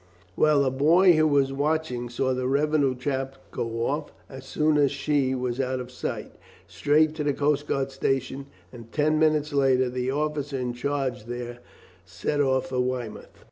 Well, a boy who was watching saw the revenue chap go off, as soon as she was out of sight, straight to the coast guard station, and ten minutes later the officer in charge there set off for Weymouth.